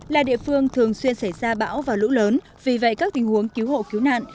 là địa phương thường xuyên xảy ra bão và lũ lớn vì vậy các tình huống cứu hộ cứu nạn